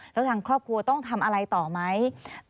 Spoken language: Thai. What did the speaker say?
แล้วทางครอบครัวต้องทำอะไรต่อไหม